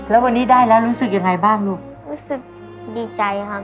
แล้ววันนี้ได้แล้วรู้สึกยังไงบ้างลูกรู้สึกดีใจครับ